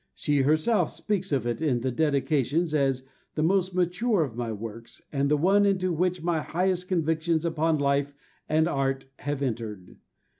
She herself speaks of it in the dedication as "The most mature of my works, and the one into which my highest convictions upon Life and Art have entered."